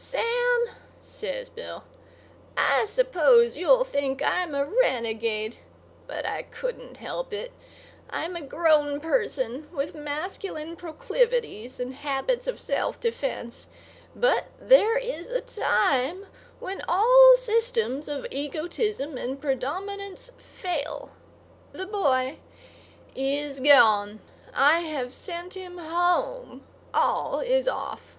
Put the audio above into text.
"Sam," says Bill, "I suppose you'll think I'm a renegade, but I couldn't help it. I'm a grown person with masculine proclivities and habits of self defense, but there is a time when all systems of egotism and predominance fail. The boy is gone. I have sent him home. All is off.